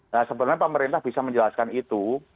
nah sebenarnya pemerintah bisa menjelaskan itu